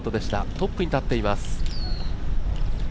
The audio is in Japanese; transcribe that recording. トップに立っています。